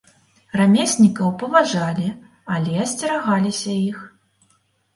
Рамеснікаў паважалі, але асцерагаліся іх.